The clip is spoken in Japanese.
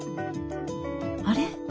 あれ？